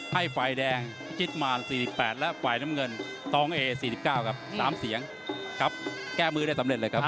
ให้ฝ่ายแดงพิจิตมาร๔๘และฝ่ายน้ำเงินตองเอ๔๙ครับ๓เสียงครับแก้มือได้สำเร็จเลยครับ